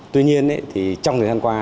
tuy nhiên trong thời gian qua